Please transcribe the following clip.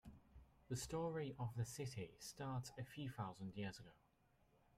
The story of the city starts a few thousand years ago.